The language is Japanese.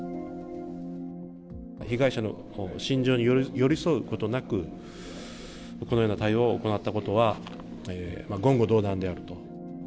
被害者の心情に寄り添うことなく、このような対応を行ったことは、言語道断であると。